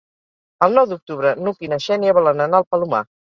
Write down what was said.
El nou d'octubre n'Hug i na Xènia volen anar al Palomar.